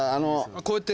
こうやって。